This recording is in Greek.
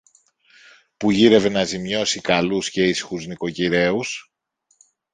που γύρευε να ζημιώσει καλούς και ήσυχους νοικοκυρέους;